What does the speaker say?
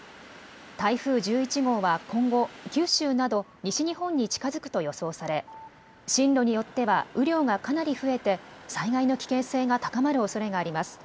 台風１１号は今後、九州など西日本に近づくと予想され進路によっては雨量がかなり増えて災害の危険性が高まるおそれがあります。